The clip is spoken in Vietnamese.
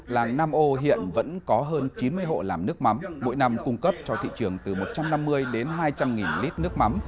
làng nam ô hiện vẫn có hơn chín mươi hộ làm nước mắm mỗi năm cung cấp cho thị trường từ một trăm năm mươi đến hai trăm linh lít nước mắm